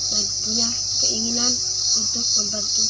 dan punya keinginan untuk membantu